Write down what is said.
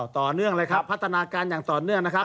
ต่อเนื่องเลยครับพัฒนาการอย่างต่อเนื่องนะครับ